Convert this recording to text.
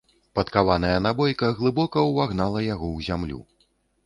Падкаваная набойка глыбока ўвагнала яго ў зямлю.